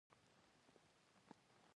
غیبت کول د ټولنې اخلاق خرابوي.